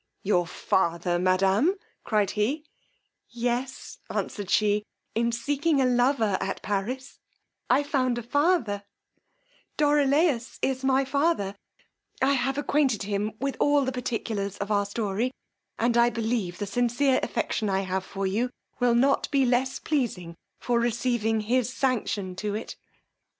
Your father, madam! cried he; yes, answered she; in seeking a lover at Paris I found a father; Dorilaus is my father: I have acquainted him with all the particulars of our story, and, I believe, the sincere affection I have for you will not be less pleasing for receiving his sanction to it.